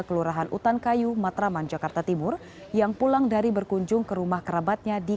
kelurahan utan kayu matraman jakarta timur yang pulang dari berkunjung ke rumah kerabatnya di